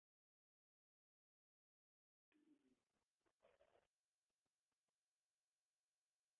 Intamin was the provider of the coaster hardware and concept.